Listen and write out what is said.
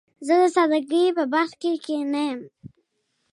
زه د سادګۍ په برخه کې نه یم.